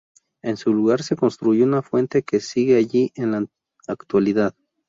En su lugar se construyó una fuente, que sigue allí en la actualidad.